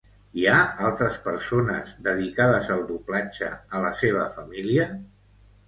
Hi ha altres persones dedicades al doblatge a la seva família?